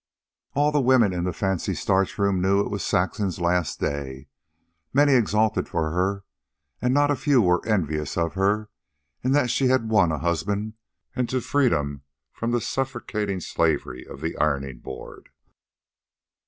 All the women in the fancy starch room knew it was Saxon's last day. Many exulted for her, and not a few were envious of her, in that she had won a husband and to freedom from the suffocating slavery of the ironing board.